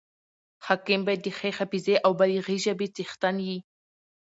حاکم باید د ښې حافظي او بلیغي ژبي څښتن يي.